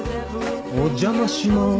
お邪魔します。